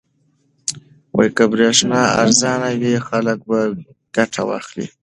که برېښنا ارزانه وي خلک به ګټه واخلي.